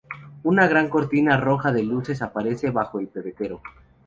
Una gran cortina roja de luces aparece bajo el Pebetero.